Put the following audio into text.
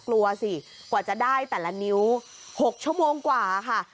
กลัวสิกว่าจะได้แต่ละนิ้ว๖ชั่วโมงกว่าค่ะ